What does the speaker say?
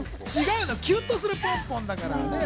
違うのキュンとするポンポンだから。